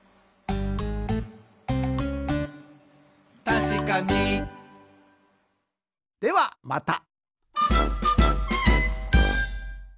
「たしかに！」ではまた！